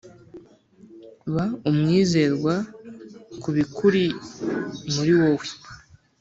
“ba umwizerwa ku bikuri muri wowe.”